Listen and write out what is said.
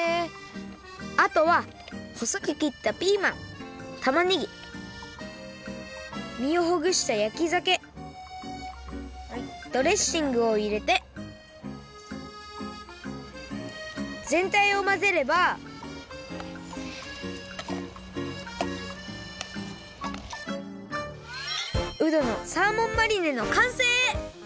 あとはほそくきったピーマンたまねぎみをほぐしたやきざけドレッシングをいれてぜんたいをまぜればうどのサーモンマリネのかんせい！